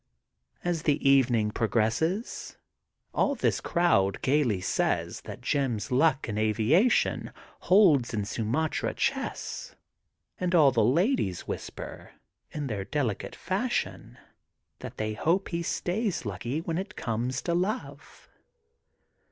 As the evening progresses, aU this crowd gaily says that Jim's luck in aviation holds in Sumatra chess, and the ladies whisper in their delicate fashion that they hope he stays lucky when it comes to love.